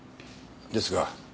ですが。